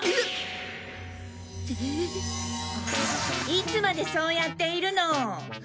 いつまでそうやっているの！